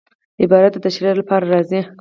عبارت د تشریح له پاره راځي.